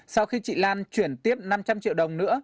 sau khi chị lan chuyển tiếp năm trăm linh triệu đồng nữa